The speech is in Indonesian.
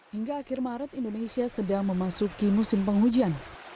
hingga akhir maret indonesia sedang memasuki musim penghujan